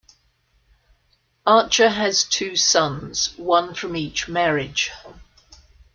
Archer has two sons, one from each marriage.